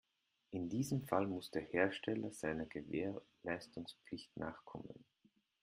In diesem Fall muss der Hersteller seiner Gewährleistungspflicht nachkommen.